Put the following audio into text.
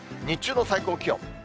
日中の最高気温。